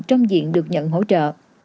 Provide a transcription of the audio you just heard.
trong diện được nhận hỗ trợ